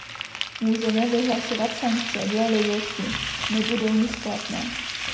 Můžeme vyhlašovat sankce dle libosti, nebudou nic platné.